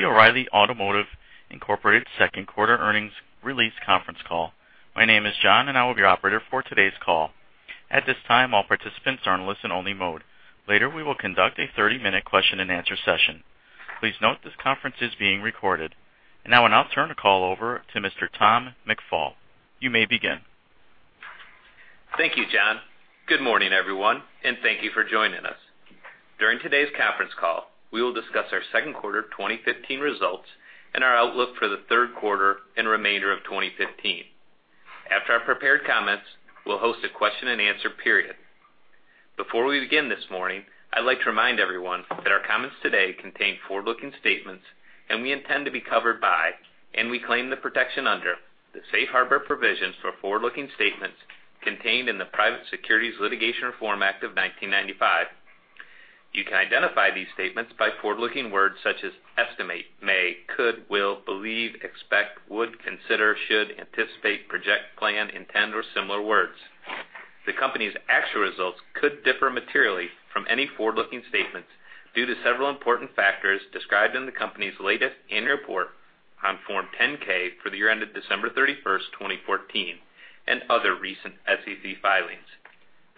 Welcome to the O’Reilly Automotive Incorporated second quarter earnings release conference call. My name is John, and I will be your operator for today’s call. At this time, all participants are in listen-only mode. Later, we will conduct a 30-minute question-and-answer session. Please note this conference is being recorded. I’ll now turn the call over to Mr. Tom McFall. You may begin. Thank you, John. Good morning, everyone, and thank you for joining us. During today’s conference call, we will discuss our second quarter 2015 results and our outlook for the third quarter and remainder of 2015. After our prepared comments, we’ll host a question-and-answer period. Before we begin this morning, I’d like to remind everyone that our comments today contain forward-looking statements, and we intend to be covered by, and we claim the protection under, the safe harbor provisions for forward-looking statements contained in the Private Securities Litigation Reform Act of 1995. You can identify these statements by forward-looking words such as estimate, may, could, will, believe, expect, would, consider, should, anticipate, project, plan, intend, or similar words. The company’s actual results could differ materially from any forward-looking statements due to several important factors described in the company’s latest annual report on Form 10-K for the year ended December 31st, 2014, and other recent SEC filings.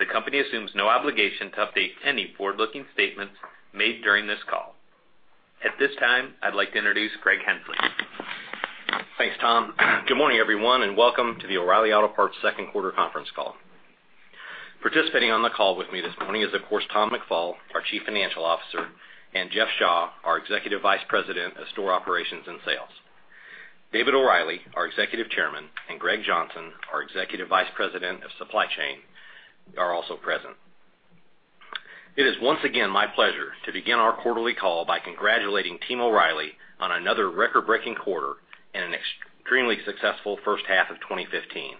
The company assumes no obligation to update any forward-looking statements made during this call. At this time, I’d like to introduce Greg Henslee. Thanks, Tom. Good morning, everyone, and welcome to the O’Reilly Auto Parts second quarter conference call. Participating on the call with me this morning is, of course, Tom McFall, our Chief Financial Officer, and Jeff Shaw, our Executive Vice President of Store Operations and Sales. David O’Reilly, our Executive Chairman, and Greg Johnson, our Executive Vice President of Supply Chain, are also present. It is once again my pleasure to begin our quarterly call by congratulating Team O’Reilly on another record-breaking quarter and an extremely successful first half of 2015.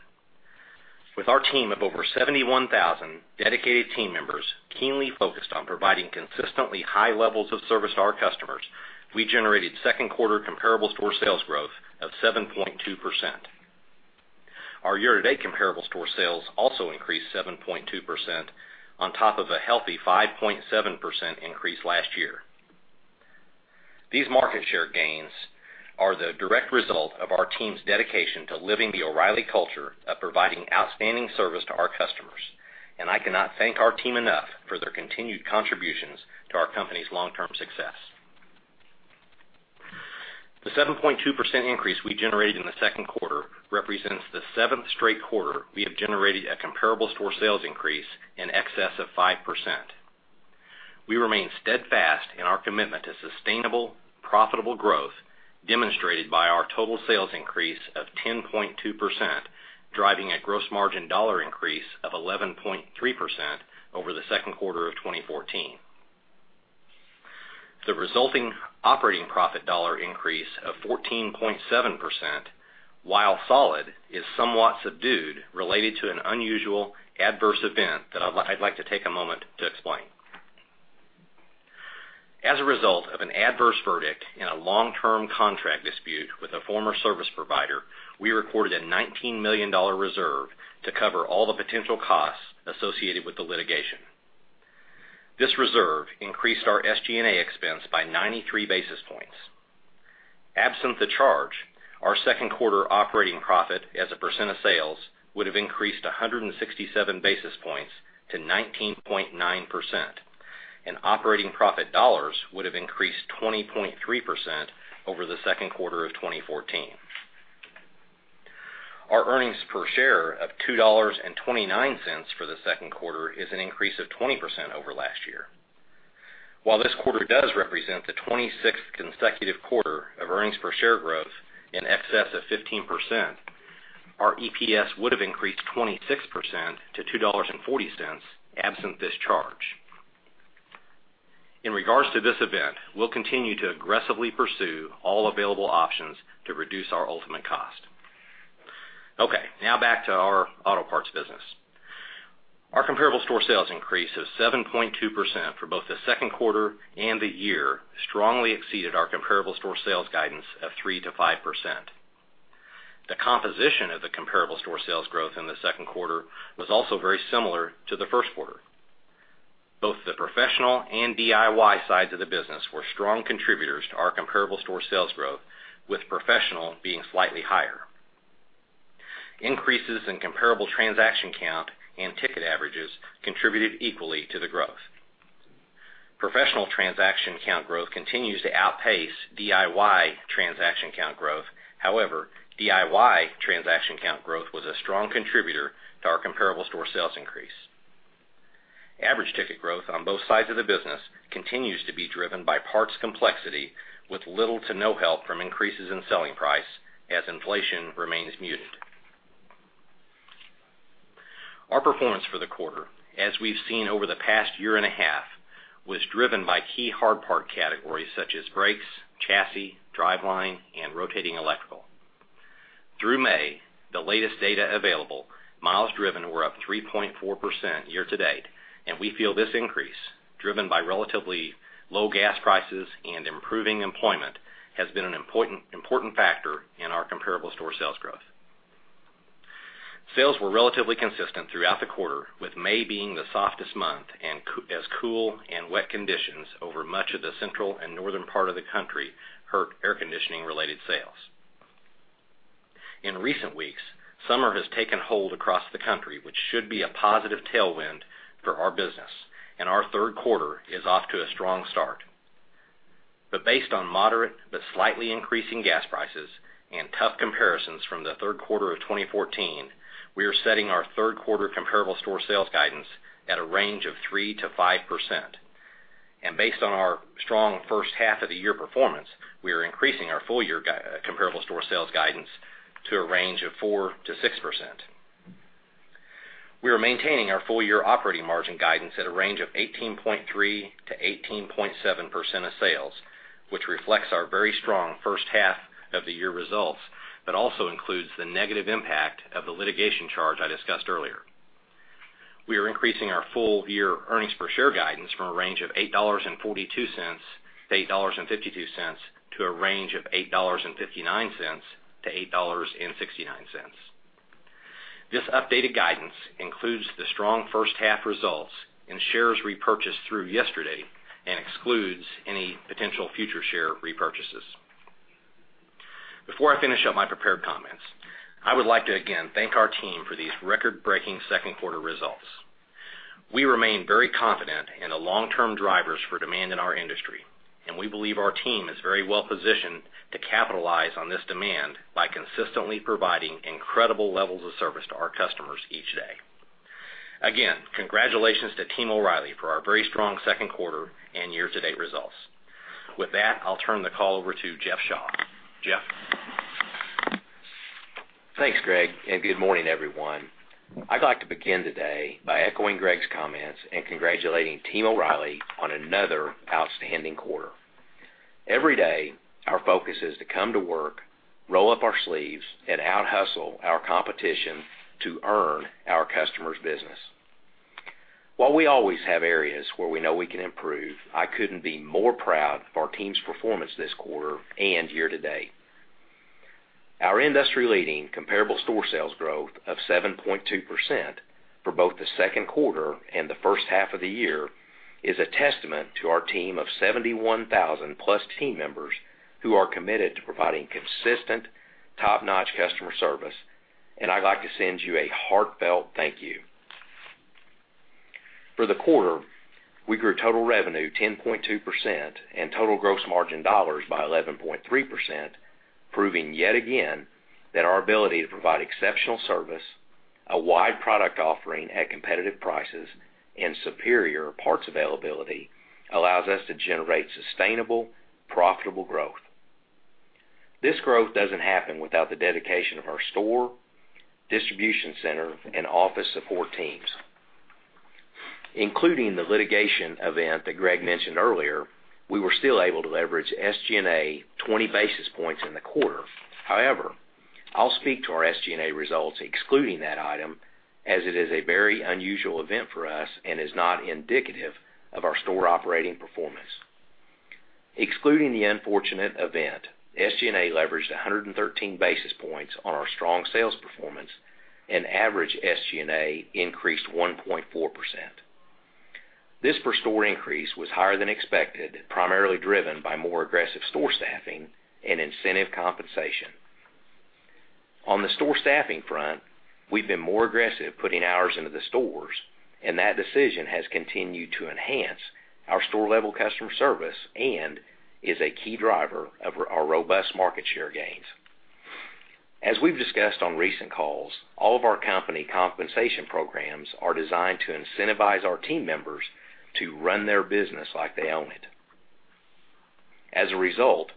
With our team of over 71,000 dedicated team members keenly focused on providing consistently high levels of service to our customers, we generated second-quarter comparable store sales growth of 7.2%. Our year-to-date comparable store sales also increased 7.2% on top of a healthy 5.7% increase last year. These market share gains are the direct result of our team’s dedication to living the O’Reilly culture of providing outstanding service to our customers, and I cannot thank our team enough for their continued contributions to our company’s long-term success. The 7.2% increase we generated in the second quarter represents the seventh straight quarter we have generated a comparable store sales increase in excess of 5%. We remain steadfast in our commitment to sustainable, profitable growth, demonstrated by our total sales increase of 10.2%, driving a gross margin dollar increase of 11.3% over the second quarter of 2014. The resulting operating profit dollar increase of 14.7%, while solid, is somewhat subdued related to an unusual adverse event that I’d like to take a moment to explain. As a result of an adverse verdict in a long-term contract dispute with a former service provider, we recorded a $19 million reserve to cover all the potential costs associated with the litigation. This reserve increased our SG&A expense by 93 basis points. Absent the charge, our second quarter operating profit as a percent of sales would have increased 167 basis points to 19.9%, and operating profit dollars would have increased 20.3% over the second quarter of 2014. Our earnings per share of $2.29 for the second quarter is an increase of 20% over last year. While this quarter does represent the 26th consecutive quarter of earnings per share growth in excess of 15%, our EPS would have increased 26% to $2.40 absent this charge. In regards to this event, we’ll continue to aggressively pursue all available options to reduce our ultimate cost. Okay, now back to our auto parts business. Our comparable store sales increase of 7.2% for both the second quarter and the year strongly exceeded our comparable store sales guidance of 3%-5%. The composition of the comparable store sales growth in the second quarter was also very similar to the first quarter. Both the professional and DIY sides of the business were strong contributors to our comparable store sales growth, with professional being slightly higher. Increases in comparable transaction count and ticket averages contributed equally to the growth. Professional transaction count growth continues to outpace DIY transaction count growth. DIY transaction count growth was a strong contributor to our comparable store sales increase. Average ticket growth on both sides of the business continues to be driven by parts complexity with little to no help from increases in selling price as inflation remains muted. Our performance for the quarter, as we’ve seen over the past year and a half, was driven by key hard part categories such as brakes, chassis, driveline, and rotating electrical. Through May, the latest data available, miles driven were up 3.4% year-to-date, we feel this increase, driven by relatively low gas prices and improving employment, has been an important factor in our comparable store sales growth. Sales were relatively consistent throughout the quarter, with May being the softest month as cool and wet conditions over much of the central and northern part of the country hurt air conditioning related sales. In recent weeks, summer has taken hold across the country, which should be a positive tailwind for our business, our third quarter is off to a strong start. Based on moderate, but slightly increasing gas prices and tough comparisons from the third quarter of 2014, we are setting our third quarter comparable store sales guidance at a range of 3%-5%. Based on our strong first half of the year performance, we are increasing our full year comparable store sales guidance to a range of 4%-6%. We are maintaining our full year operating margin guidance at a range of 18.3%-18.7% of sales, which reflects our very strong first half of the year results, but also includes the negative impact of the litigation charge I discussed earlier. We are increasing our full year earnings per share guidance from a range of $8.42-$8.52 to a range of $8.59-$8.69. This updated guidance includes the strong first half results and shares repurchased through yesterday and excludes any potential future share repurchases. Before I finish up my prepared comments, I would like to again thank our team for these record-breaking second quarter results. We remain very confident in the long-term drivers for demand in our industry, and we believe our team is very well positioned to capitalize on this demand by consistently providing incredible levels of service to our customers each day. Again, congratulations to Team O’Reilly for our very strong second quarter and year-to-date results. With that, I’ll turn the call over to Jeff Shaw. Jeff? Thanks, Greg, and good morning, everyone. I’d like to begin today by echoing Greg’s comments and congratulating Team O’Reilly on another outstanding quarter. Every day, our focus is to come to work, roll up our sleeves, and out-hustle our competition to earn our customers’ business. While we always have areas where we know we can improve, I couldn’t be more proud of our team’s performance this quarter and year to date. Our industry-leading comparable store sales growth of 7.2% for both the second quarter and the first half of the year is a testament to our team of 71,000-plus team members who are committed to providing consistent top-notch customer service. I’d like to send you a heartfelt thank you. For the quarter, we grew total revenue 10.2% and total gross margin dollars by 11.3%, proving yet again that our ability to provide exceptional service, a wide product offering at competitive prices, and superior parts availability, allows us to generate sustainable, profitable growth. This growth doesn’t happen without the dedication of our store, distribution center, and office support teams. Including the litigation event that Greg mentioned earlier, we were still able to leverage SG&A 20 basis points in the quarter. I’ll speak to our SG&A results excluding that item, as it is a very unusual event for us and is not indicative of our store operating performance. Excluding the unfortunate event, SG&A leveraged 113 basis points on our strong sales performance, and average SG&A increased 1.4%. This per store increase was higher than expected, primarily driven by more aggressive store staffing and incentive compensation. On the store staffing front, we’ve been more aggressive putting hours into the stores, that decision has continued to enhance our store-level customer service and is a key driver of our robust market share gains. As we’ve discussed on recent calls, all of our company compensation programs are designed to incentivize our team members to run their business like they own it. As a result,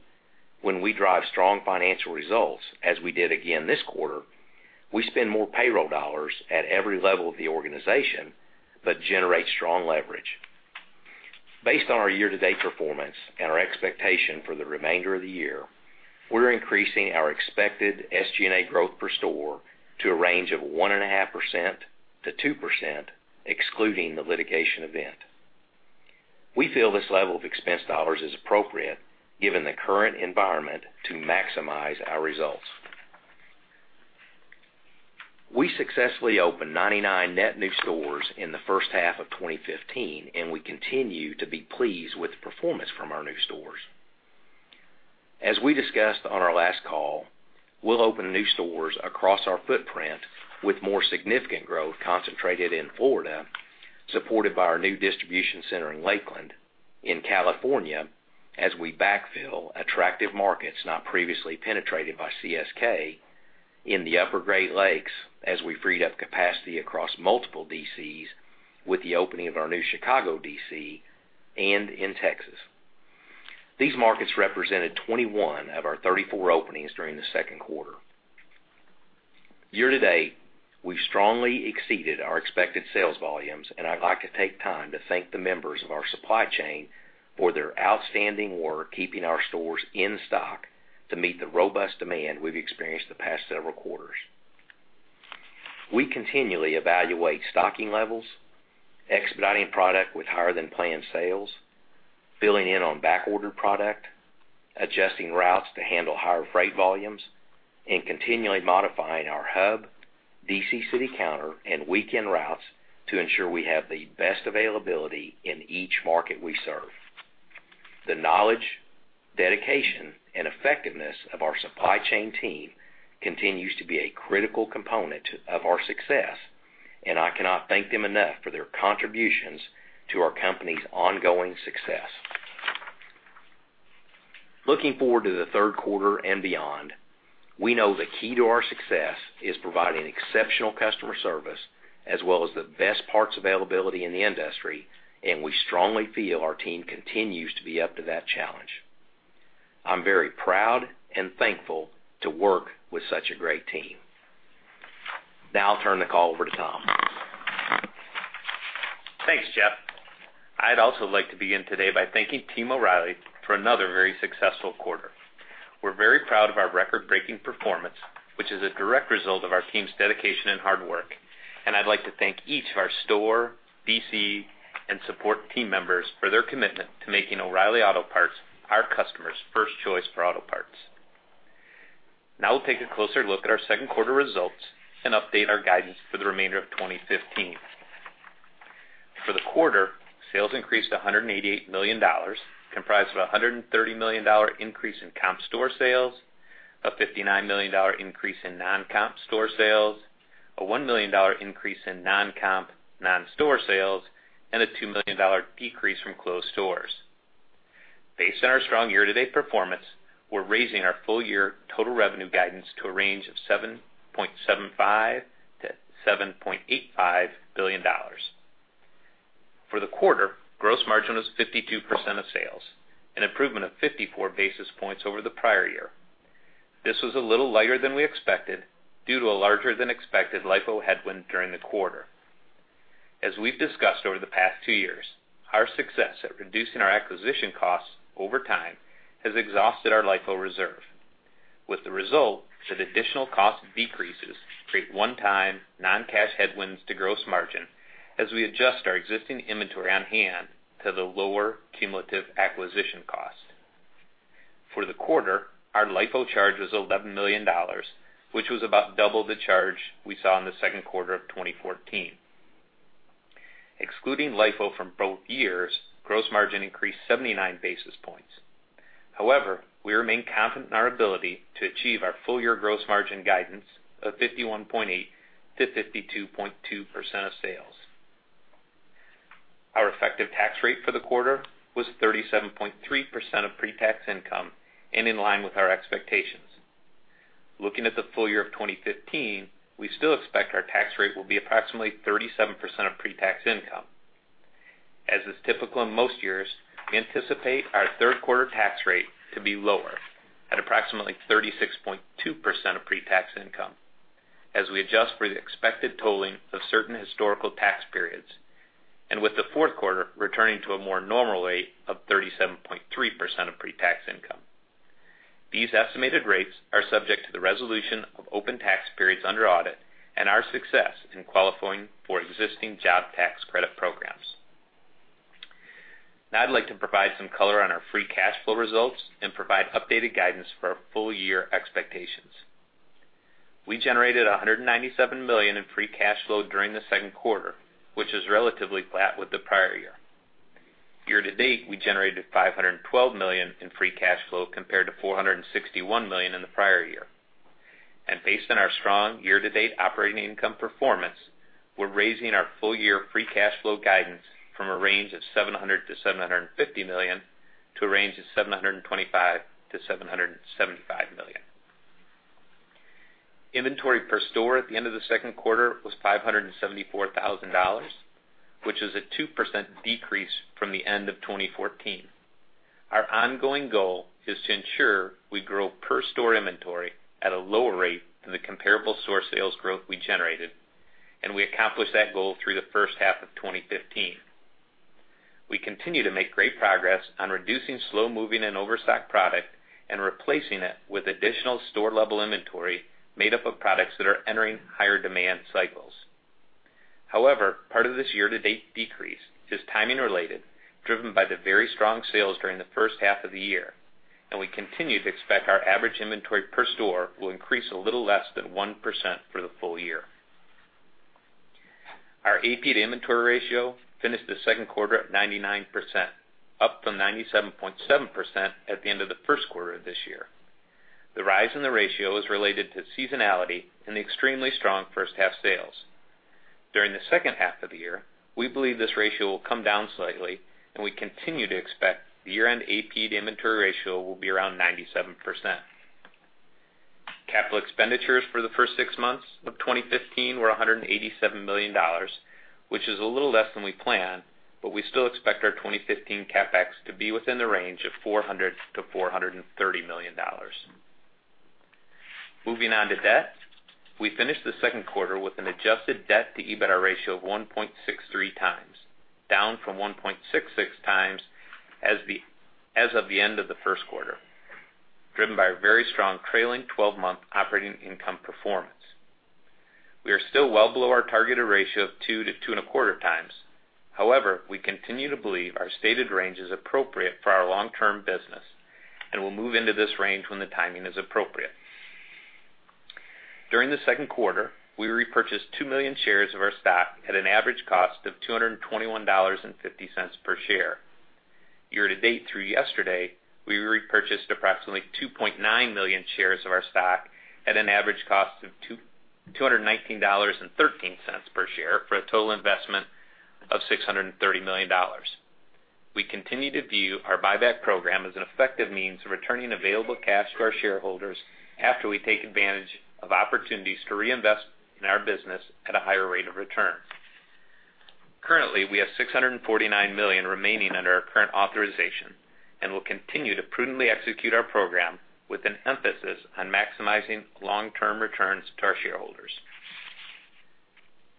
when we drive strong financial results, as we did again this quarter, we spend more payroll dollars at every level of the organization, generate strong leverage. Based on our year-to-date performance and our expectation for the remainder of the year, we’re increasing our expected SG&A growth per store to a range of 1.5%-2%, excluding the litigation event. We feel this level of expense dollars is appropriate given the current environment to maximize our results. We successfully opened 99 net new stores in the first half of 2015, we continue to be pleased with the performance from our new stores. As we discussed on our last call, we’ll open new stores across our footprint with more significant growth concentrated in Florida, supported by our new distribution center in Lakeland, in California, as we backfill attractive markets not previously penetrated by CSK in the upper Great Lakes, as we freed up capacity across multiple DCs with the opening of our new Chicago DC, in Texas. These markets represented 21 of our 34 openings during the second quarter. Year to date, we’ve strongly exceeded our expected sales volumes, I’d like to take time to thank the members of our supply chain for their outstanding work keeping our stores in stock to meet the robust demand we’ve experienced the past several quarters. We continually evaluate stocking levels, expediting product with higher than planned sales Filling in on back-ordered product, adjusting routes to handle higher freight volumes, continually modifying our hub, DC city counter, and weekend routes to ensure we have the best availability in each market we serve. The knowledge, dedication, and effectiveness of our supply chain team continues to be a critical component of our success, I cannot thank them enough for their contributions to our company's ongoing success. Looking forward to the third quarter and beyond, we know the key to our success is providing exceptional customer service, as well as the best parts availability in the industry, we strongly feel our team continues to be up to that challenge. I'm very proud and thankful to work with such a great team. Now I'll turn the call over to Tom. Thanks, Jeff. I'd also like to begin today by thanking Team O'Reilly for another very successful quarter. We're very proud of our record-breaking performance, which is a direct result of our team's dedication and hard work, I'd like to thank each of our store, DC, and support team members for their commitment to making O'Reilly Auto Parts our customer's first choice for auto parts. Now we'll take a closer look at our second quarter results and update our guidance for the remainder of 2015. For the quarter, sales increased to $188 million, comprised of $130 million increase in comp store sales, a $59 million increase in non-comp store sales, a $1 million increase in non-comp non-store sales, a $2 million decrease from closed stores. Based on our strong year-to-date performance, we're raising our full-year total revenue guidance to a range of $7.75 billion-$7.85 billion. For the quarter, gross margin was 52% of sales, an improvement of 54 basis points over the prior year. This was a little lighter than we expected due to a larger than expected LIFO headwind during the quarter. As we've discussed over the past two years, our success at reducing our acquisition costs over time has exhausted our LIFO reserve, with the result that additional cost decreases create one-time, non-cash headwinds to gross margin as we adjust our existing inventory on hand to the lower cumulative acquisition cost. For the quarter, our LIFO charge was $11 million, which was about double the charge we saw in the second quarter of 2014. Excluding LIFO from both years, gross margin increased 79 basis points. We remain confident in our ability to achieve our full-year gross margin guidance of 51.8%-52.2% of sales. Our effective tax rate for the quarter was 37.3% of pre-tax income and in line with our expectations. Looking at the full year of 2015, we still expect our tax rate will be approximately 37% of pre-tax income. As is typical in most years, we anticipate our third quarter tax rate to be lower at approximately 36.2% of pre-tax income as we adjust for the expected totaling of certain historical tax periods, and with the fourth quarter returning to a more normal rate of 37.3% of pre-tax income. These estimated rates are subject to the resolution of open tax periods under audit and our success in qualifying for existing job tax credit programs. I'd like to provide some color on our free cash flow results and provide updated guidance for our full-year expectations. We generated $197 million in free cash flow during the second quarter, which is relatively flat with the prior year. Year to date, we generated $512 million in free cash flow compared to $461 million in the prior year. Based on our strong year-to-date operating income performance, we're raising our full-year free cash flow guidance from a range of $700 million-$750 million to a range of $725 million-$775 million. Inventory per store at the end of the second quarter was $574,000, which is a 2% decrease from the end of 2014. Our ongoing goal is to ensure we grow per store inventory at a lower rate than the comparable store sales growth we generated, and we accomplished that goal through the first half of 2015. We continue to make great progress on reducing slow-moving and overstock product and replacing it with additional store-level inventory made up of products that are entering higher demand cycles. Part of this year-to-date decrease is timing related, driven by the very strong sales during the first half of the year, and we continue to expect our average inventory per store will increase a little less than 1% for the full year. Our AP to inventory ratio finished the second quarter at 99%, up from 97.7% at the end of the first quarter of this year. The rise in the ratio is related to seasonality and the extremely strong first half sales. During the second half of the year, we believe this ratio will come down slightly, and we continue to expect the year-end AP to inventory ratio will be around 97%. Capital expenditures for the first six months of 2015 were $187 million, which is a little less than we planned, but we still expect our 2015 CapEx to be within the range of $400 million-$430 million. Moving on to debt. We finished the second quarter with an adjusted debt-to-EBITDA ratio of 1.63 times, down from 1.66 times as of the end of the first quarter, driven by a very strong trailing 12-month operating income performance. We are still well below our targeted ratio of 2 to 2.25 times. However, we continue to believe our stated range is appropriate for our long-term business, and we'll move into this range when the timing is appropriate. During the second quarter, we repurchased two million shares of our stock at an average cost of $221.50 per share. Year-to-date through yesterday, we repurchased approximately 2.9 million shares of our stock at an average cost of $219.13 per share for a total investment of $630 million. We continue to view our buyback program as an effective means of returning available cash to our shareholders after we take advantage of opportunities to reinvest in our business at a higher rate of return. Currently, we have $649 million remaining under our current authorization and will continue to prudently execute our program with an emphasis on maximizing long-term returns to our shareholders.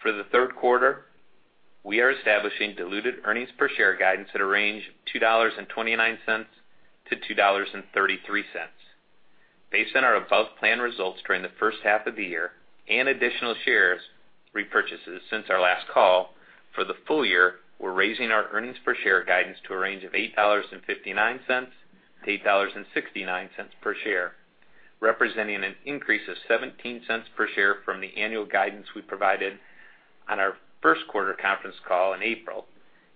For the third quarter, we are establishing diluted earnings per share guidance at a range of $2.29-$2.33. Based on our above-plan results during the first half of the year and additional shares repurchases since our last call, for the full year, we're raising our earnings per share guidance to a range of $8.59-$8.69 per share, representing an increase of $0.17 per share from the annual guidance we provided on our first quarter conference call in April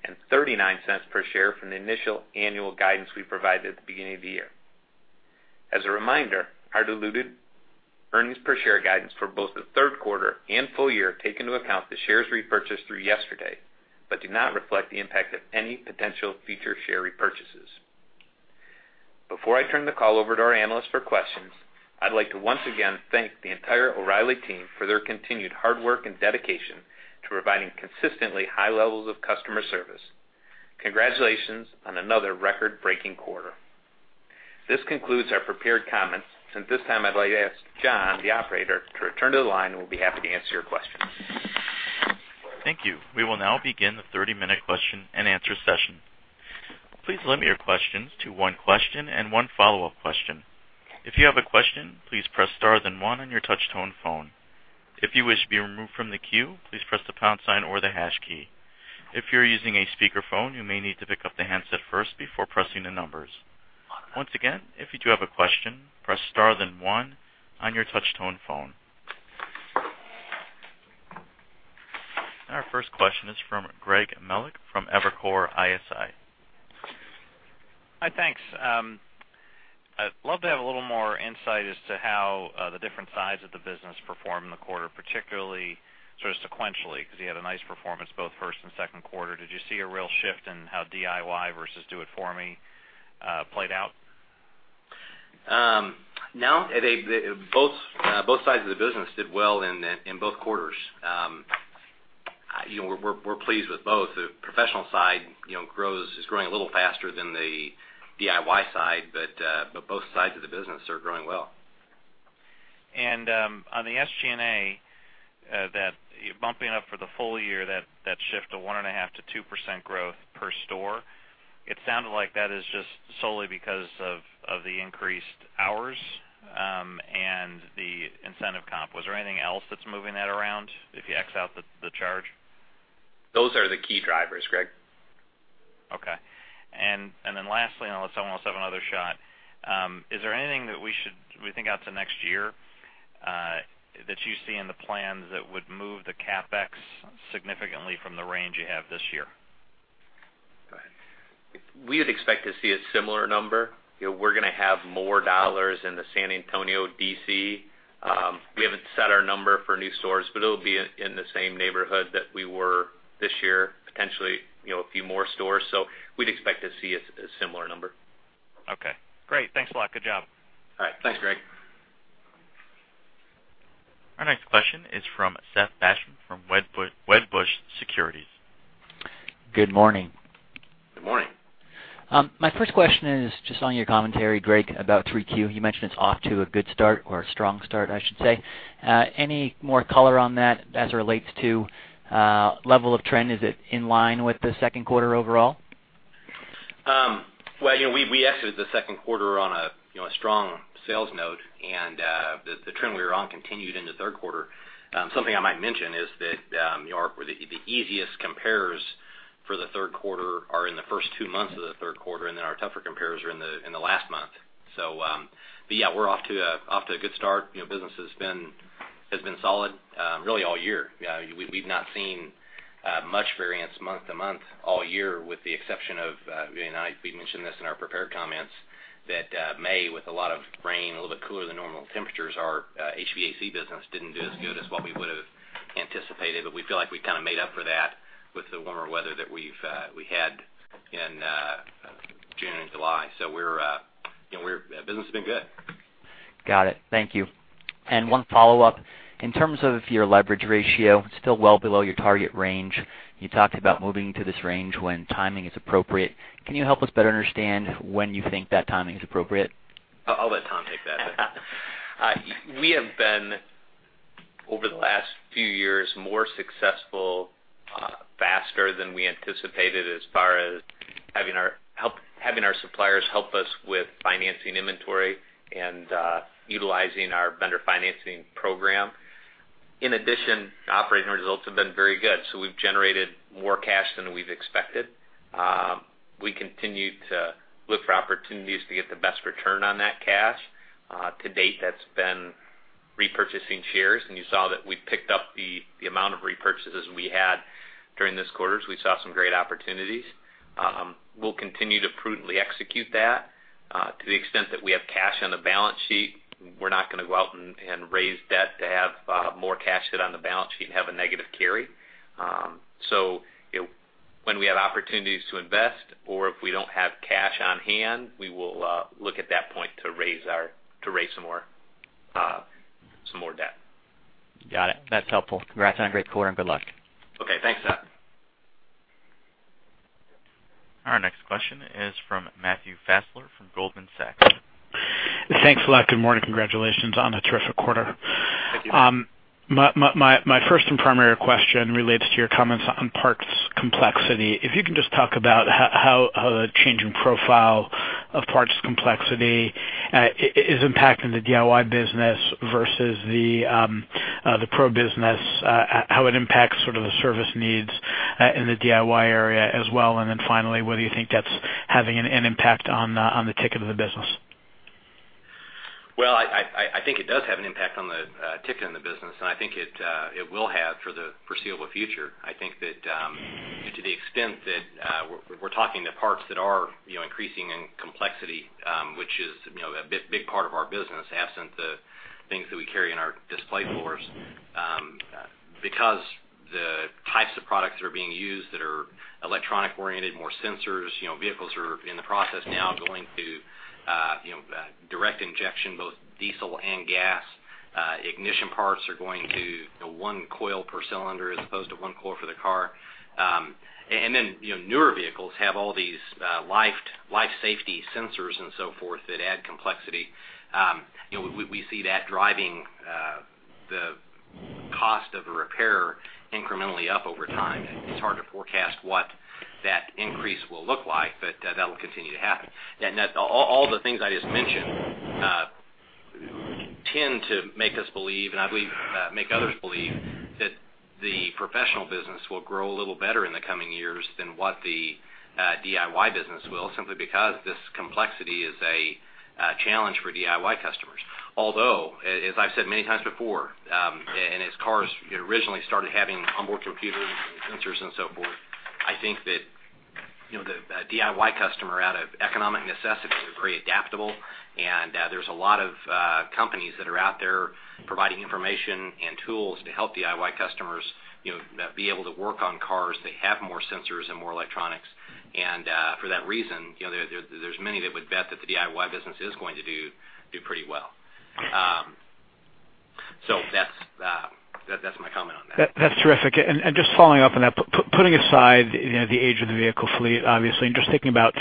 and $0.39 per share from the initial annual guidance we provided at the beginning of the year. As a reminder, our diluted earnings per share guidance for both the third quarter and full year take into account the shares repurchased through yesterday but do not reflect the impact of any potential future share repurchases. Before I turn the call over to our analysts for questions, I'd like to once again thank the entire O'Reilly team for their continued hard work and dedication to providing consistently high levels of customer service. Congratulations on another record-breaking quarter. This concludes our prepared comments. At this time, I'd like to ask John, the operator, to return to the line, and we'll be happy to answer your questions. Thank you. We will now begin the 30-minute question-and-answer session. Please limit your questions to one question and one follow-up question. If you have a question, please press star then one on your touch tone phone. If you wish to be removed from the queue, please press the pound sign or the hash key. If you're using a speakerphone, you may need to pick up the handset first before pressing the numbers. Once again, if you do have a question, press star then one on your touch tone phone. Our first question is from Greg Melich from Evercore ISI. Hi, thanks. I'd love to have a little more insight as to how the different sides of the business performed in the quarter, particularly sort of sequentially, because you had a nice performance both first and second quarter. Did you see a real shift in how DIY versus do it for me played out? No. Both sides of the business did well in both quarters. We're pleased with both. The professional side is growing a little faster than the DIY side, but both sides of the business are growing well. On the SG&A, that bumping up for the full year, that shift of 1.5%-2% growth per store, it sounded like that is just solely because of the increased hours and the incentive comp. Was there anything else that's moving that around if you X out the charge? Those are the key drivers, Greg. Okay. Lastly, I'll let someone else have another shot. Is there anything that we should think out to next year that you see in the plans that would move the CapEx significantly from the range you have this year? Go ahead. We would expect to see a similar number. We're going to have more dollars in the San Antonio DC. We haven't set our number for new stores, it'll be in the same neighborhood that we were this year, potentially a few more stores. We'd expect to see a similar number. Okay, great. Thanks a lot. Good job. All right. Thanks, Greg. Our next question is from Seth Basham from Wedbush Securities. Good morning. Good morning. My first question is just on your commentary, Greg, about 3Q. You mentioned it's off to a good start or a strong start, I should say. Any more color on that as it relates to level of trend? Is it in line with the second quarter overall? Well, we exited the second quarter on a strong sales note, and the trend we were on continued into the third quarter. Something I might mention is that the easiest compares for the third quarter are in the first two months of the third quarter, and then our tougher compares are in the last month. Yeah, we're off to a good start. Business has been solid really all year. We've not seen much variance month to month all year with the exception of, and we mentioned this in our prepared comments, that May, with a lot of rain, a little bit cooler than normal temperatures, our HVAC business didn't do as good as what we would have anticipated, but we feel like we kind of made up for that with the warmer weather that we had in June and July. Business has been good. Got it. Thank you. One follow-up, in terms of your leverage ratio, still well below your target range. You talked about moving to this range when timing is appropriate. Can you help us better understand when you think that timing is appropriate? I'll let Tom take that. We have been, over the last few years, more successful Faster than we anticipated as far as having our suppliers help us with financing inventory and utilizing our vendor financing program. In addition, operating results have been very good, we've generated more cash than we've expected. We continue to look for opportunities to get the best return on that cash. To date, that's been repurchasing shares, and you saw that we picked up the amount of repurchases we had during this quarter, we saw some great opportunities. We'll continue to prudently execute that. To the extent that we have cash on the balance sheet, we're not going to go out and raise debt to have more cash sit on the balance sheet and have a negative carry. When we have opportunities to invest or if we don't have cash on hand, we will look at that point to raise some more debt. Got it. That's helpful. Congrats on a great quarter, and good luck. Okay. Thanks, Seth. Our next question is from Matthew Fassler from Goldman Sachs. Thanks a lot. Good morning. Congratulations on a terrific quarter. Thank you. My first and primary question relates to your comments on parts complexity. If you can just talk about how the change in profile of parts complexity is impacting the DIY business versus the pro business, how it impacts sort of the service needs in the DIY area as well, finally, whether you think that's having an impact on the ticket of the business. Well, I think it does have an impact on the ticket in the business, I think it will have for the foreseeable future. I think that to the extent that we're talking the parts that are increasing in complexity, which is a big part of our business, absent the things that we carry in our display floors. The types of products that are being used that are electronic-oriented, more sensors, vehicles are in the process now going to direct injection, both diesel and gas. Ignition parts are going to one coil per cylinder as opposed to one coil for the car. Newer vehicles have all these life safety sensors and so forth that add complexity. We see that driving the cost of a repair incrementally up over time. It's hard to forecast what that increase will look like, that'll continue to happen. All the things I just mentioned tend to make us believe, and I believe make others believe, that the professional business will grow a little better in the coming years than what the DIY business will, simply because this complexity is a challenge for DIY customers. Although, as I've said many times before, and as cars originally started having onboard computers and sensors and so forth, I think that the DIY customer, out of economic necessity, are very adaptable, and there's a lot of companies that are out there providing information and tools to help DIY customers be able to work on cars that have more sensors and more electronics. For that reason, there's many that would bet that the DIY business is going to do pretty well. That's my comment on that. That's terrific. Just following up on that, putting aside the age of the vehicle fleet, obviously, just thinking about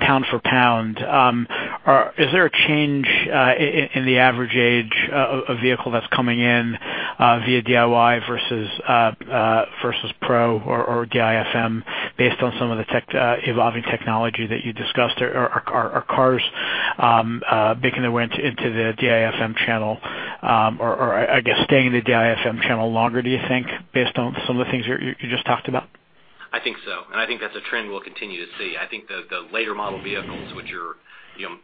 pound for pound, is there a change in the average age of vehicle that's coming in via DIY versus pro or DIFM based on some of the evolving technology that you discussed? Are cars making their way into the DIFM channel or, I guess, staying in the DIFM channel longer, do you think, based on some of the things you just talked about? I think so. I think that's a trend we'll continue to see. I think the later model vehicles, which are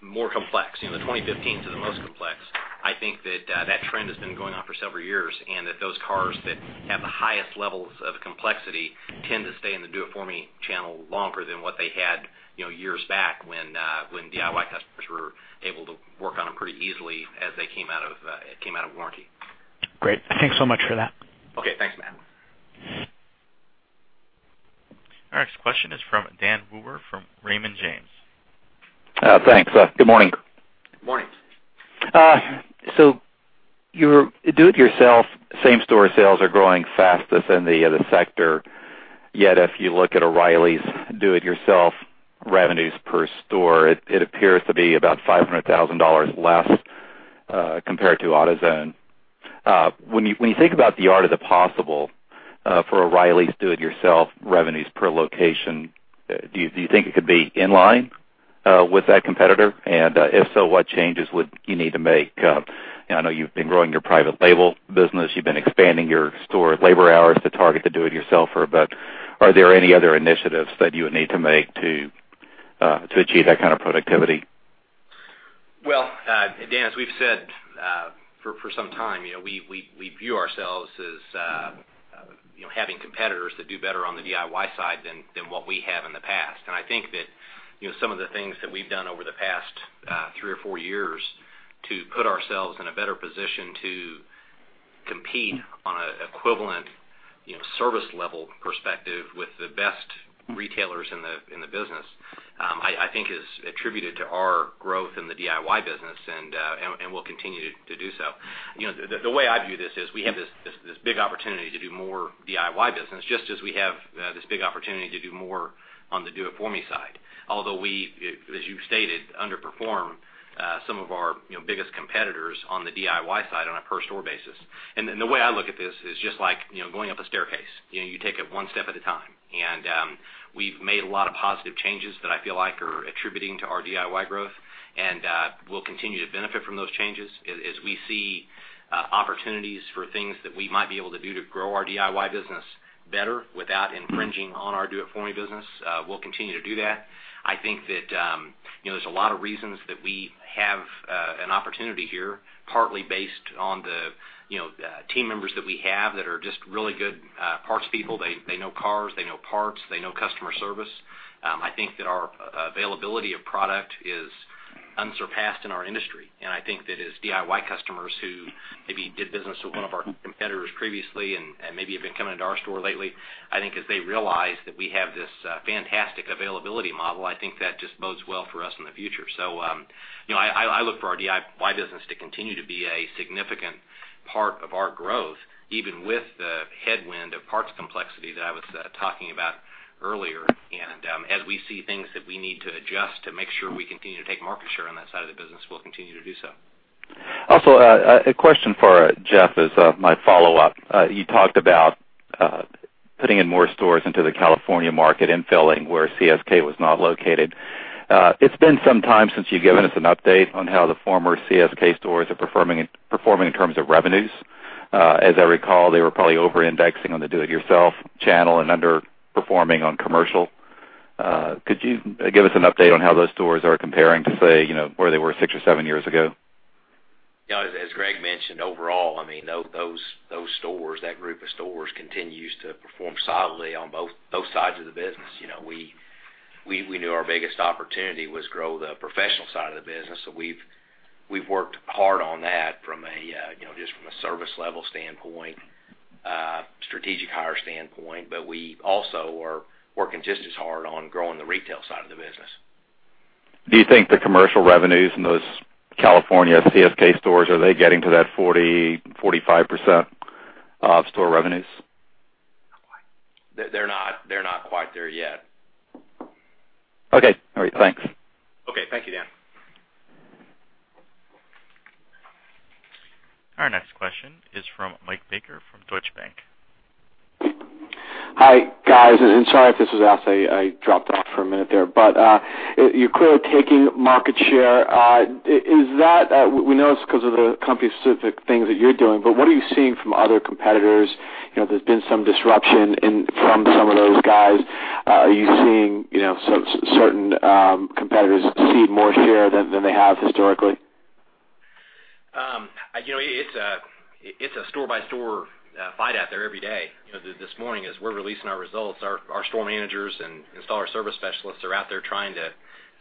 more complex, the 2015s are the most complex. I think that trend has been going on for several years, and that those cars that have the highest levels of complexity tend to stay in the Do It For Me channel longer than what they had years back when DIY customers were able to work on them pretty easily as they came out of warranty. Great. Thanks so much for that. Okay. Thanks, Matt. Our next question is from Dan Wewer from Raymond James. Thanks. Good morning. Good morning. Your do-it-yourself same-store sales are growing faster than the other sector. Yet, if you look at O'Reilly's do-it-yourself revenues per store, it appears to be about $500,000 less compared to AutoZone. When you think about the art of the possible for O'Reilly's do-it-yourself revenues per location, do you think it could be in line with that competitor? If so, what changes would you need to make? I know you've been growing your private label business. You've been expanding your store labor hours to target the do-it-yourselfer, but are there any other initiatives that you would need to make to achieve that kind of productivity? Well, Dan, as we've said for some time, we view ourselves as having competitors that do better on the DIY side than what we have in the past. I think that some of the things that we've done over the past three or four years to put ourselves in a better position to compete on an equivalent service level perspective with the best retailers in the business, I think is attributed to our growth in the DIY business and will continue to do so. The way I view this is we have this big opportunity to do more DIY business, just as we have this big opportunity to do more on the Do It For Me side. Although we, as you stated, underperform some of our biggest competitors on the DIY side on a per store basis. The way I look at this is just like going up a staircase. You take it one step at a time. We've made a lot of positive changes that I feel like are attributing to our DIY growth, and we'll continue to benefit from those changes. As we see opportunities for things that we might be able to do to grow our DIY business better without infringing on our Do It For Me business, we'll continue to do that. I think that there's a lot of reasons that we have an opportunity here, partly based on the team members that we have that are just really good parts people. They know cars, they know parts, they know customer service. I think that our availability of product is unsurpassed in our industry. I think that as DIY customers who maybe did business with one of our competitors previously and maybe have been coming to our store lately, I think as they realize that we have this fantastic availability model, I think that just bodes well for us in the future. I look for our DIY business to continue to be a significant part of our growth, even with the headwind of parts complexity that I was talking about earlier. As we see things that we need to adjust to make sure we continue to take market share on that side of the business, we'll continue to do so. A question for Jeff as my follow-up. You talked about putting in more stores into the California market, infilling where CSK was not located. It's been some time since you've given us an update on how the former CSK stores are performing in terms of revenues. As I recall, they were probably over-indexing on the do it yourself channel and underperforming on commercial. Could you give us an update on how those stores are comparing to, say, where they were six or seven years ago? As Greg mentioned, overall, those stores, that group of stores, continues to perform solidly on both sides of the business. We knew our biggest opportunity was to grow the professional side of the business, we've worked hard on that just from a service level standpoint, strategic hire standpoint. We also are working just as hard on growing the retail side of the business. Do you think the commercial revenues in those California CSK stores, are they getting to that 40%, 45% of store revenues? They're not quite there yet. Okay. All right. Thanks. Okay. Thank you, Dan. Our next question is from Mike Baker from Deutsche Bank. Hi, guys, sorry if this was asked, I dropped off for a minute there. You're clearly taking market share. We know it's because of the company-specific things that you're doing, but what are you seeing from other competitors? There's been some disruption from some of those guys. Are you seeing certain competitors cede more share than they have historically? It's a store-by-store fight out there every day. This morning, as we're releasing our results, our store managers and installer service specialists are out there trying to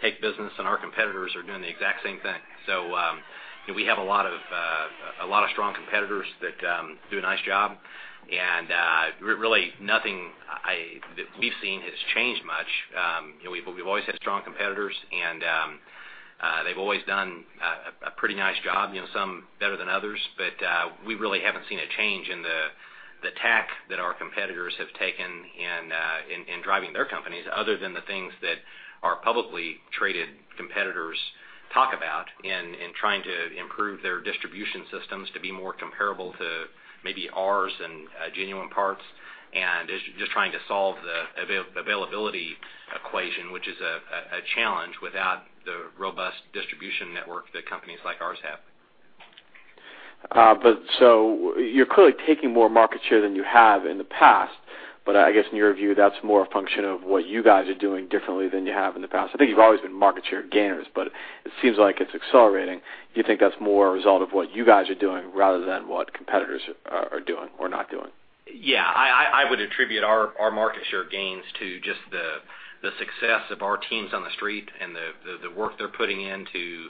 take business, and our competitors are doing the exact same thing. We have a lot of strong competitors that do a nice job, and really nothing that we've seen has changed much. We've always had strong competitors, and they've always done a pretty nice job, some better than others. We really haven't seen a change in the tack that our competitors have taken in driving their companies, other than the things that our publicly traded competitors talk about in trying to improve their distribution systems to be more comparable to maybe ours and Genuine Parts, and just trying to solve the availability equation, which is a challenge without the robust distribution network that companies like ours have. You're clearly taking more market share than you have in the past. I guess in your view, that's more a function of what you guys are doing differently than you have in the past. I think you've always been market share gainers, but it seems like it's accelerating. Do you think that's more a result of what you guys are doing rather than what competitors are doing or not doing? Yeah. I would attribute our market share gains to just the success of our teams on the street and the work they're putting in to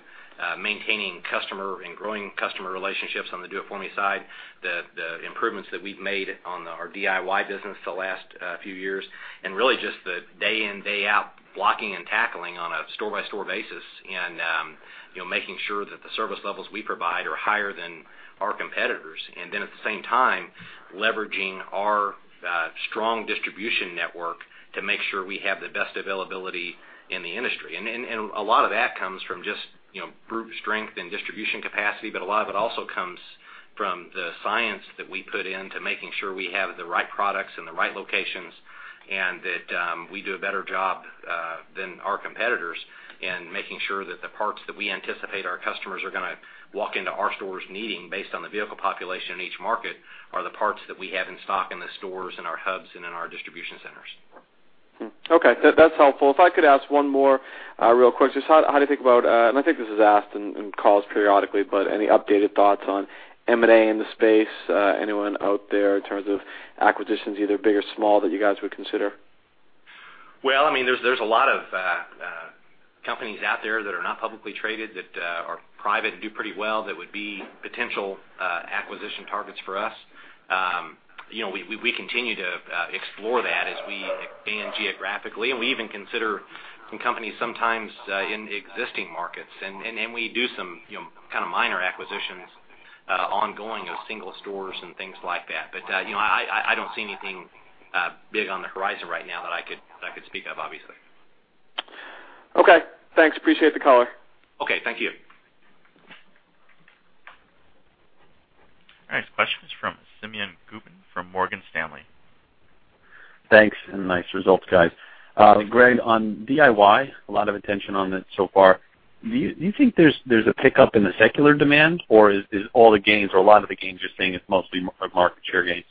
maintaining customer and growing customer relationships on the Do It For Me side, the improvements that we've made on our DIY business the last few years, and really just the day in, day out blocking and tackling on a store-by-store basis and making sure that the service levels we provide are higher than our competitors. At the same time, leveraging our strong distribution network to make sure we have the best availability in the industry. A lot of that comes from just brute strength and distribution capacity, but a lot of it also comes from the science that we put in to making sure we have the right products in the right locations, and that we do a better job than our competitors in making sure that the parts that we anticipate our customers are going to walk into our stores needing based on the vehicle population in each market are the parts that we have in stock in the stores, in our hubs, and in our distribution centers. Okay. That's helpful. If I could ask one more real question. How do you think about, and I think this is asked in calls periodically, but any updated thoughts on M&A in the space, anyone out there in terms of acquisitions, either big or small, that you guys would consider? Well, there's a lot of companies out there that are not publicly traded that are private and do pretty well that would be potential acquisition targets for us. We continue to explore that as we expand geographically, and we even consider some companies sometimes in existing markets, and we do some kind of minor acquisitions ongoing of single stores and things like that. I don't see anything big on the horizon right now that I could speak of, obviously. Okay. Thanks. Appreciate the color. Okay. Thank you. Simeon Gutman from Morgan Stanley. Thanks, and nice results, guys. Greg, on DIY, a lot of attention on it so far. Do you think there's a pickup in the secular demand, or is all the gains or a lot of the gains you're seeing is mostly market share gains?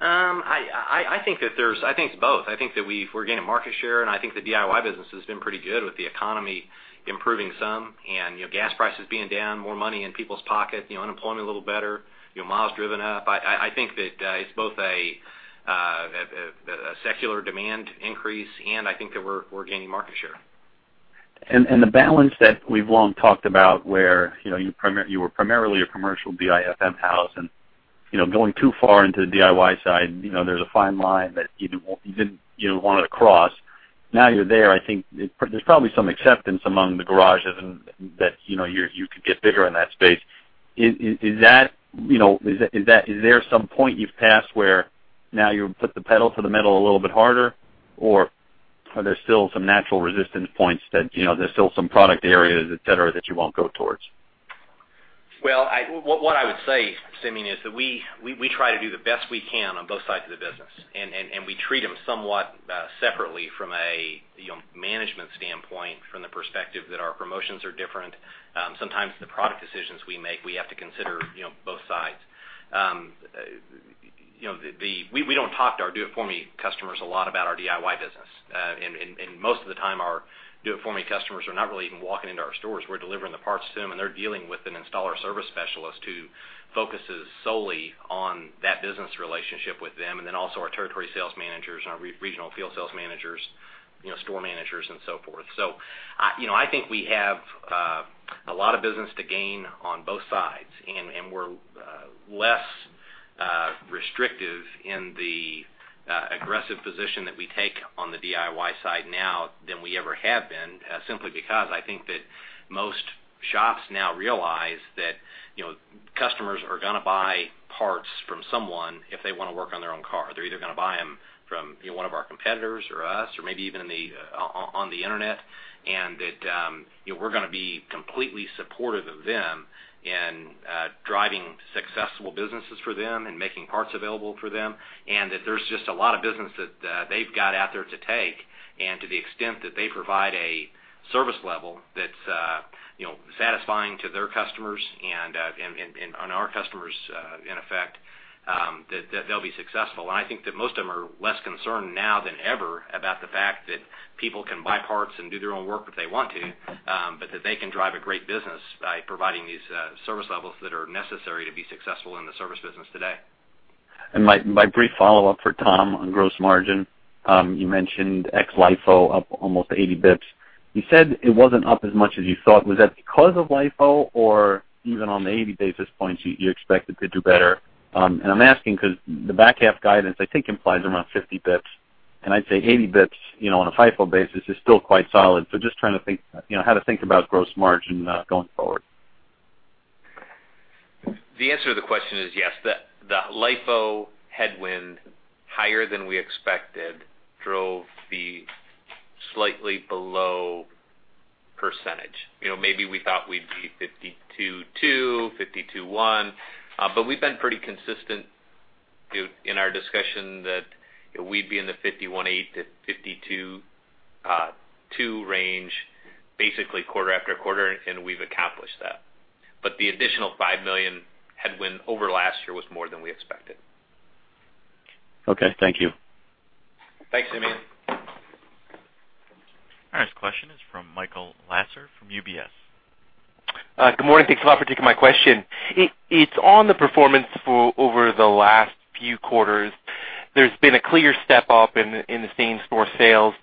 I think it's both. I think that we're gaining market share, and I think the DIY business has been pretty good with the economy improving some and gas prices being down, more money in people's pocket, unemployment a little better, miles driven up. I think that it's both a secular demand increase, and I think that we're gaining market share. The balance that we've long talked about where you were primarily a commercial DIFM house and going too far into the DIY side, there's a fine line that you didn't want to cross. Now you're there. I think there's probably some acceptance among the garages and that you could get bigger in that space. Is there some point you've passed where now you put the pedal to the metal a little bit harder? Are there still some natural resistance points that there's still some product areas, et cetera, that you won't go towards? Well, what I would say, Simeon, is that we try to do the best we can on both sides of the business, and we treat them somewhat separately from a management standpoint, from the perspective that our promotions are different. Sometimes the product decisions we make, we have to consider both sides. We don't talk to our do-it-for-me customers a lot about our DIY business. Most of the time, our do-it-for-me customers are not really even walking into our stores. We're delivering the parts to them, and they're dealing with an installer service specialist who focuses solely on that business relationship with them, and then also our territory sales managers and our regional field sales managers, store managers, and so forth. I think we have a lot of business to gain on both sides, and we're less restrictive in the aggressive position that we take on the DIY side now than we ever have been, simply because I think that most shops now realize that customers are going to buy parts from someone if they want to work on their own car. They're either going to buy them from one of our competitors or us, or maybe even on the Internet, and that we're going to be completely supportive of them in driving successful businesses for them and making parts available for them, and that there's just a lot of business that they've got out there to take. To the extent that they provide a service level that's satisfying to their customers and our customers, in effect, that they'll be successful. I think that most of them are less concerned now than ever about the fact that people can buy parts and do their own work if they want to, but that they can drive a great business by providing these service levels that are necessary to be successful in the service business today. My brief follow-up for Tom on gross margin. You mentioned ex-LIFO up almost 80 basis points. You said it wasn't up as much as you thought. Was that because of LIFO or even on the 80 basis points you expected to do better? I'm asking because the back-half guidance, I think, implies around 50 basis points, and I'd say 80 basis points, on a FIFO basis, is still quite solid. Just trying to think how to think about gross margin going forward. The answer to the question is yes. The LIFO headwind higher than we expected drove the slightly below percentage. Maybe we thought we'd be 52.2%, 52.1%, but we've been pretty consistent in our discussion that we'd be in the 51.8%-52.2% range basically quarter after quarter, and we've accomplished that. The additional $5 million headwind over last year was more than we expected. Okay. Thank you. Thanks, Simeon. Our next question is from Michael Lasser from UBS. Good morning. Thanks a lot for taking my question. It's on the performance for over the last few quarters. There's been a clear step up in the same-store sales.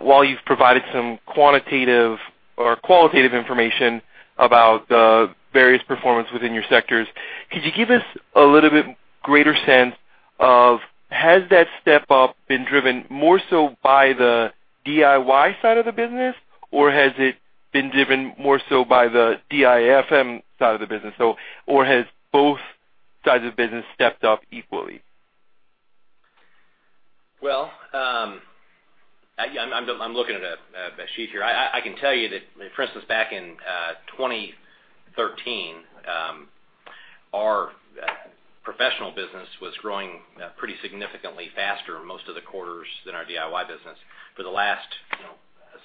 While you've provided some quantitative or qualitative information about the various performance within your sectors, could you give us a little bit greater sense of has that step up been driven more so by the DIY side of the business, or has it been driven more so by the DIFM side of the business, or has both sides of the business stepped up equally? Well, I'm looking at a sheet here. I can tell you that, for instance, back in 2013, our professional business was growing pretty significantly faster most of the quarters than our DIY business. For the last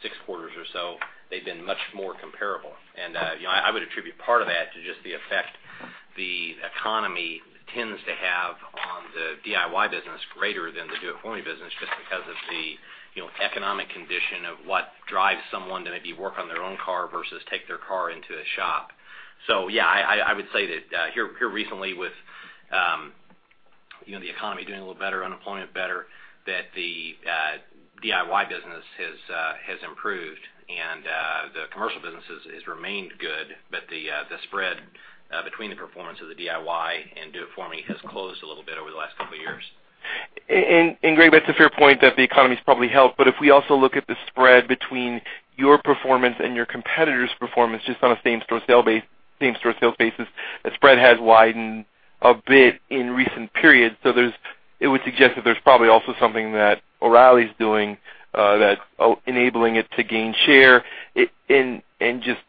six quarters or so, they've been much more comparable. I would attribute part of that to just the effect the economy tends to have on the DIY business greater than the do-it-for-me business, just because of the economic condition of what drives someone to maybe work on their own car versus take their car into a shop. Yeah, I would say that here recently with the economy doing a little better, unemployment better, that the DIY business has improved and the commercial business has remained good. The spread between the performance of the DIY and do-it-for-me has closed a little bit over the last couple of years. Greg, that's a fair point that the economy's probably helped. If we also look at the spread between your performance and your competitors' performance, just on a same-store sales basis, the spread has widened a bit in recent periods. It would suggest that there's probably also something that O'Reilly's doing that's enabling it to gain share and just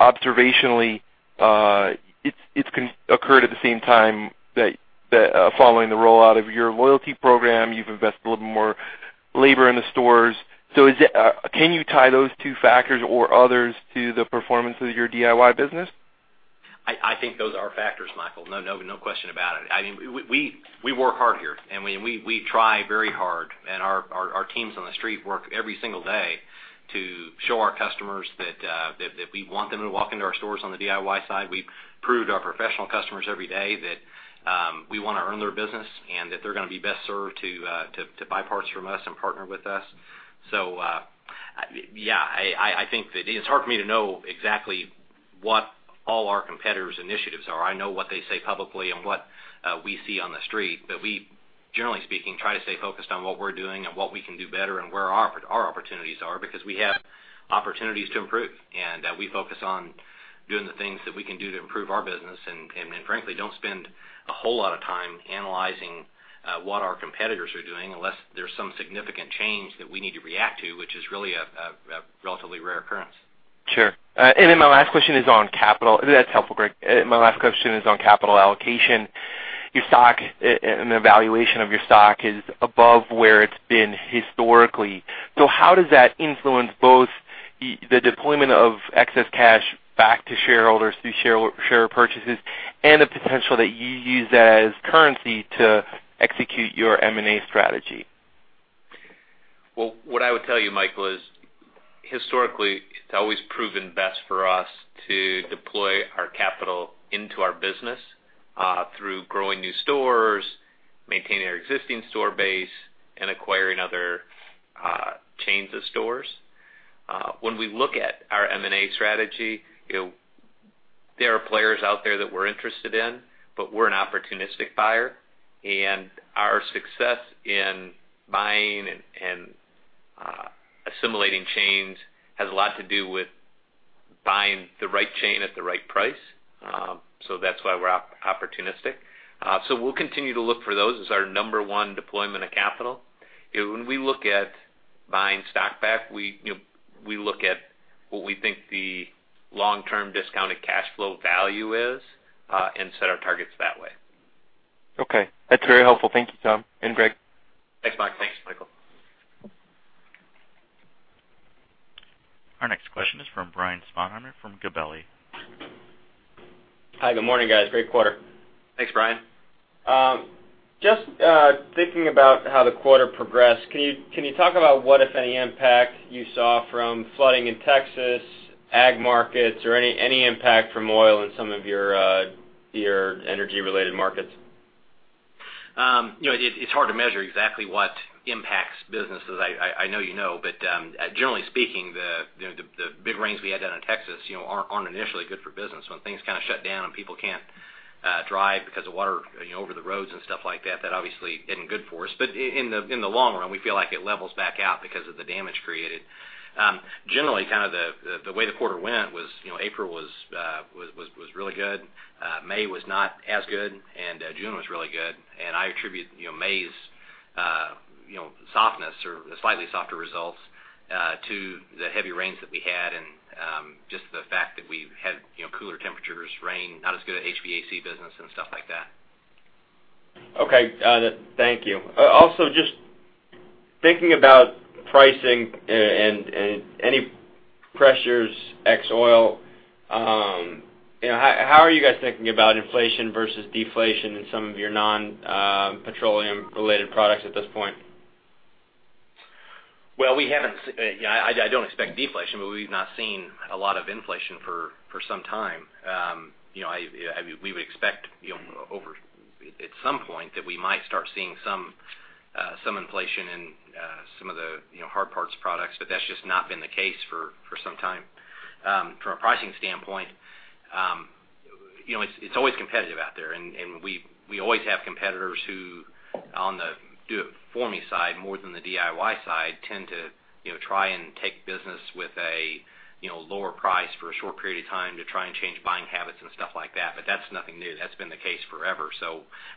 Observationally, it's occurred at the same time that following the rollout of your loyalty program, you've invested a little more labor in the stores. Can you tie those two factors or others to the performance of your DIY business? I think those are factors, Michael. No question about it. We work hard here, and we try very hard, and our teams on the street work every single day to show our customers that we want them to walk into our stores on the DIY side. We prove to our professional customers every day that we want to earn their business, and that they're going to be best served to buy parts from us and partner with us. Yeah, it's hard for me to know exactly what all our competitors' initiatives are. I know what they say publicly and what we see on the street. We, generally speaking, try to stay focused on what we're doing and what we can do better and where our opportunities are, because we have opportunities to improve, and we focus on doing the things that we can do to improve our business and frankly, don't spend a whole lot of time analyzing what our competitors are doing unless there's some significant change that we need to react to, which is really a relatively rare occurrence. Sure. Then my last question is on capital. That's helpful, Greg. My last question is on capital allocation. Your stock and the valuation of your stock is above where it's been historically. How does that influence both the deployment of excess cash back to shareholders through share purchases, and the potential that you use that as currency to execute your M&A strategy? Well, what I would tell you, Michael, is historically, it's always proven best for us to deploy our capital into our business, through growing new stores, maintaining our existing store base, and acquiring other chains of stores. When we look at our M&A strategy, there are players out there that we're interested in, but we're an opportunistic buyer, and our success in buying and assimilating chains has a lot to do with buying the right chain at the right price. That's why we're opportunistic. We'll continue to look for those as our number 1 deployment of capital. When we look at buying stock back, we look at what we think the long-term discounted cash flow value is, and set our targets that way. Okay, that's very helpful. Thank you, Tom and Greg. Thanks, Mike. Thanks, Michael. Our next question is from Brian Sponheimer from Gabelli. Hi, good morning, guys. Great quarter. Thanks, Brian. Just thinking about how the quarter progressed, can you talk about what, if any, impact you saw from flooding in Texas, ag markets, or any impact from oil in some of your energy-related markets? It's hard to measure exactly what impacts businesses. I know you know, generally speaking, the big rains we had down in Texas aren't initially good for business. When things kind of shut down and people can't drive because of water over the roads and stuff like that obviously isn't good for us. In the long run, we feel like it levels back out because of the damage created. Generally, the way the quarter went was April was really good, May was not as good, June was really good. I attribute May's softness or slightly softer results to the heavy rains that we had and just the fact that we've had cooler temperatures, rain, not as good of HVAC business and stuff like that. Okay. Thank you. Also, just thinking about pricing and any pressures ex oil, how are you guys thinking about inflation versus deflation in some of your non-petroleum related products at this point? Well, I don't expect deflation, but we've not seen a lot of inflation for some time. We would expect at some point that we might start seeing some inflation in some of the hard parts products, but that's just not been the case for some time. From a pricing standpoint, it's always competitive out there, and we always have competitors who on the do-it-for-me side more than the DIY side tend to try and take business with a lower price for a short period of time to try and change buying habits and stuff like that. That's nothing new. That's been the case forever.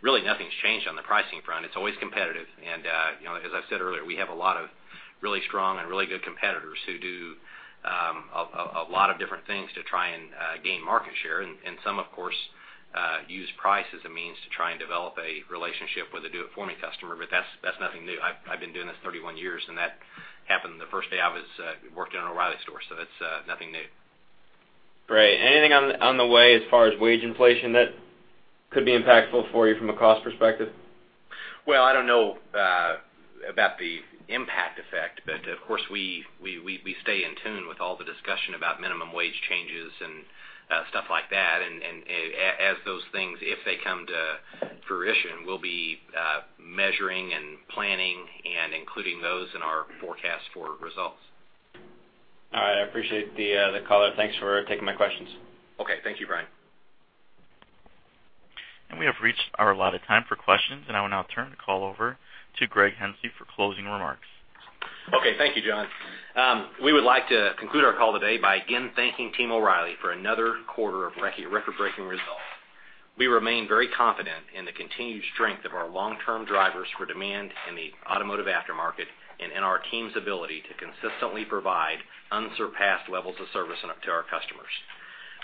Really nothing's changed on the pricing front. It's always competitive, and as I said earlier, we have a lot of really strong and really good competitors who do a lot of different things to try and gain market share. Some, of course, use price as a means to try and develop a relationship with a do-it-for-me customer, but that's nothing new. I've been doing this 31 years, and that happened the first day I was working in an O’Reilly store, it's nothing new. Great. Anything on the way as far as wage inflation that could be impactful for you from a cost perspective? Well, I don't know about the impact effect, of course, we stay in tune with all the discussion about minimum wage changes and stuff like that. As those things, if they come to fruition, we'll be measuring and planning and including those in our forecast for results. All right. I appreciate the call. Thanks for taking my questions. Okay. Thank you, Brian. We have reached our allotted time for questions, and I will now turn the call over to Greg Henslee for closing remarks. Okay. Thank you, John. We would like to conclude our call today by again thanking Team O’Reilly for another quarter of record-breaking results. We remain very confident in the continued strength of our long-term drivers for demand in the automotive aftermarket and in our team's ability to consistently provide unsurpassed levels of service to our customers.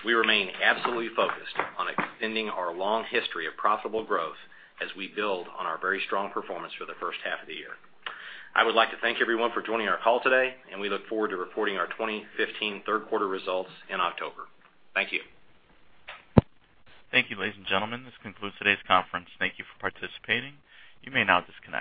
We remain absolutely focused on extending our long history of profitable growth as we build on our very strong performance for the first half of the year. I would like to thank everyone for joining our call today, and we look forward to reporting our 2015 third-quarter results in October. Thank you. Thank you, ladies and gentlemen. This concludes today's conference. Thank you for participating. You may now disconnect.